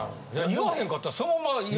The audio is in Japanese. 言わへんかったらそのまま。